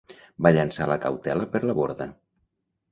Va llançar la cautela per la borda.